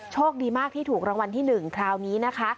โชคดีมากที่ถูกรางวัลที่๑คราวนี้นะคะ